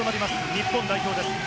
日本代表です。